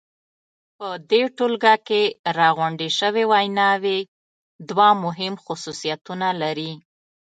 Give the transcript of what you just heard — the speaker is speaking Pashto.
په دې ټولګه کې راغونډې شوې ویناوی دوه مهم خصوصیتونه لري.